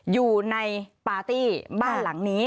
อยู่ในปาร์ตี้บ้านหลังนี้